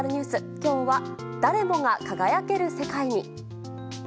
今日は誰もが輝ける世界に。